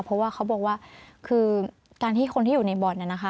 เพราะว่าเขาบอกว่าคือการที่คนที่อยู่ในบ่อนน่ะนะคะ